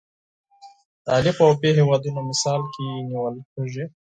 د الف او ب هیوادونه مثال کې نیول کېږي.